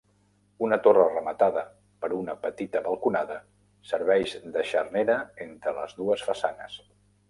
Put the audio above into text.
Una torre rematada per una petita balconada serveix de xarnera entre les dues façanes.